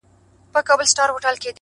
نیک چلند د دوستۍ بنسټ جوړوي،